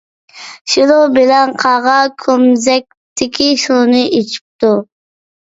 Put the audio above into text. شۇنىڭ بىلەن قاغا كومزەكتىكى سۇنى ئىچىپتۇ.